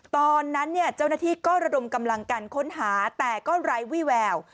ตอนนั้นเนี่ยเจ้าหน้าที่ก็ระดมกำลังกันค้นหาแต่ก็ไร้วี่แวว